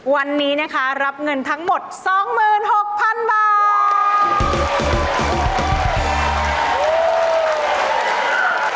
วันนี้นะคะรับเงินทั้งหมด๒๖๐๐๐บาท